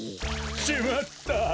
しまった！